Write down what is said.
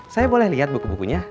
saya boleh lihat buku bukunya